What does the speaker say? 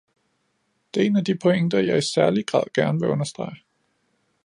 Det er en af de pointer, jeg i særlig grad gerne vil understrege.